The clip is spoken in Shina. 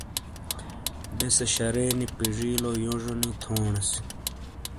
بیسے شرے نی پجیلویوں جونی تھونس۔